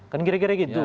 kan kira kira begitu